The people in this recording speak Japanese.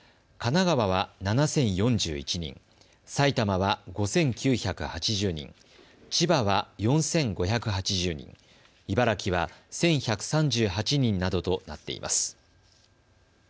神奈川は７０４１人、埼玉は５９８０人、千葉は４５８０人、茨城は１１３８人などとなっています。